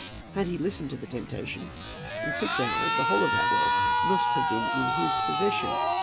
Had he listened to the temptation, in six hours the whole of that wealth must have been in his possession.